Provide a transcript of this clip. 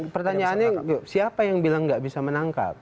pertanyaannya siapa yang bilang nggak bisa menangkap